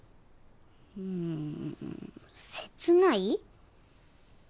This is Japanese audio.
うーん切ない？